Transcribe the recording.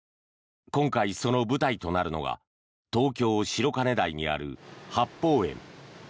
今回、その舞台となるのが東京・白金台にある八芳園。